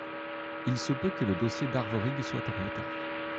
Il se peut que le dossier d’Arvorig soit en retard.